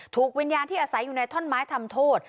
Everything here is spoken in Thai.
ถูกวิญญาณที่อาศัยอยู่ในท่อนไม้ทำโทษ